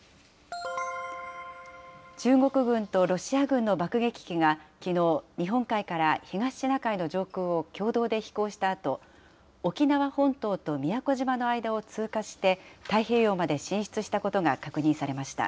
中国軍とロシア軍の爆撃機がきのう、日本海から東シナ海の上空を共同で飛行したあと、沖縄本島と宮古島の間を通過して、太平洋まで進出したことが確認さ